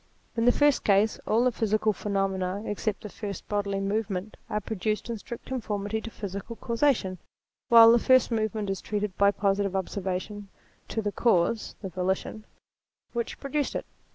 In the first case, all the physical phenomena except the first bodily movement are produced in strict conformity to physical causation ; while that first movement is traced by positive observation, to the cause (the volition) which pro REVELATION 229 duced it.